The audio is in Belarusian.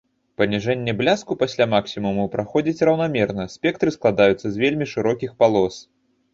Паніжэнне бляску пасля максімуму праходзіць раўнамерна, спектры складаюцца з вельмі шырокіх палос.